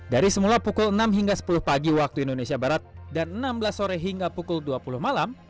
dari semula pukul enam hingga sepuluh pagi waktu indonesia barat dan enam belas sore hingga pukul dua puluh malam